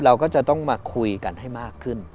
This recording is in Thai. เราก็จะต้องมาคุยกันให้มากขึ้น